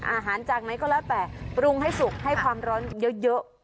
อาหารจากไหนก็แล้วแต่ปรุงให้สุกให้ความร้อนเยอะ